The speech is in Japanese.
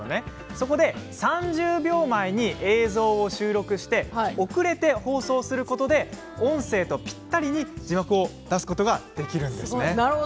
そこで３０秒前に映像を収録して遅れて放送することで音声と、ぴったりに字幕を出すことができるんです。